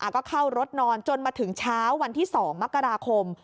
ก็เข้ารถนอนจนมาถึงเช้าวันที่๒มกราคม